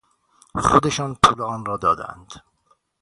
خودشان پول آن را دادند.